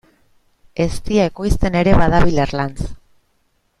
Eztia ekoizten ere badabil Erlanz.